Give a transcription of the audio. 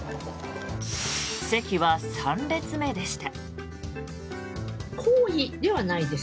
席は３列目でした。